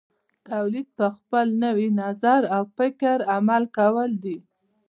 تولید په خپل نوي نظر او فکر عمل کول دي.